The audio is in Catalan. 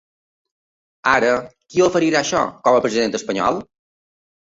Ara, qui oferirà això, com a president espanyol?